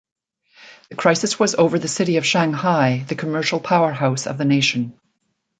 The crisis was over the city of Shanghai, the commercial powerhouse of the nation.